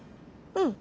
うん。